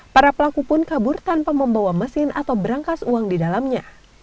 para pelaku pun kabur tanpa membawa mesin atau berangkas uang di dalamnya